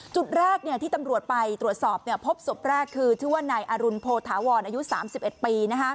จุดแรกที่ตำรวจไปตรวจสอบพบศพแรกคือชื่อว่านายอรุณโพธาวรอายุ๓๑ปี